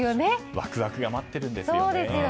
ワクワクが待ってるんですよね。